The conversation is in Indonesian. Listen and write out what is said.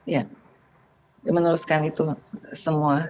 ya meneruskan itu semua